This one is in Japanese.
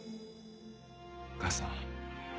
お母さん。